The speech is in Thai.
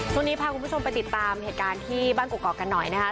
ช่วงนี้พาคุณผู้ชมไปติดตามเหตุการณ์ที่บ้านกรอกกันหน่อยนะคะ